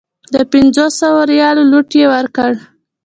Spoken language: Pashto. د پنځو سوو ریالو نوټ یې ورکړ.